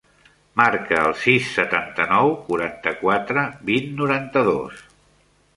Marca el sis, setanta-nou, quaranta-quatre, vint, noranta-dos.